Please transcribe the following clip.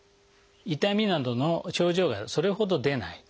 痛みなどの症状がそれほど出ない。